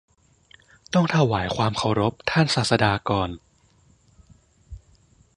ต้องถวายความเคารพท่านศาสดาก่อน